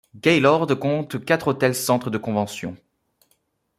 Gaylord compte quatre hôtels centres de conventions.